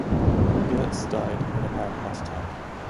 Goetz died of an apparent heart attack.